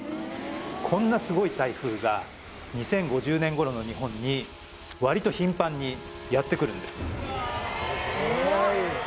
こんなすごい台風が２０５０年頃の日本にわりと頻繁にやってくるんです